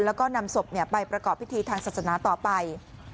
แล้วก็นำศพไปประกอบพิธีทางศาสนาต่อไป